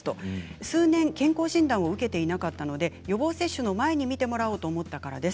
数年、健康診断を受けていなかったので予防接種の前に診てもらおうと思ったからです。